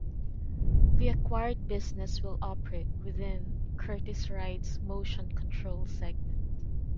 The acquired business will operate within Curtiss-Wright's Motion Control segment.